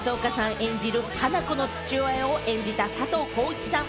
演じる花子の父親を演じた佐藤浩市さん。